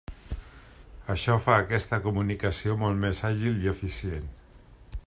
Això fa aquesta comunicació molt més àgil i eficient.